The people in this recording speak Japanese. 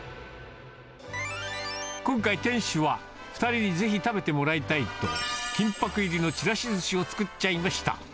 今回、店主は２人にぜひ食べてもらいたいと、金ぱく入りのちらしずしを作っちゃいました。